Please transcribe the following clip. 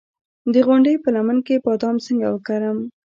د غونډۍ په لمن کې بادام څنګه وکرم؟